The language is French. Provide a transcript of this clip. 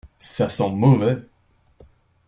Ça sent mauvais.